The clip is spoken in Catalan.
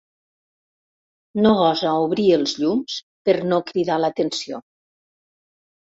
No gosa obrir els llums per no cridar l'atenció.